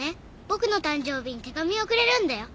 僕の誕生日に手紙をくれるんだよ。